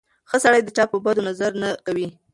ښه سړی د چا په بدو نظر نه کوي.